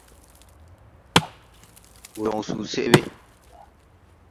Wùr jɔŋ susɛʼ we.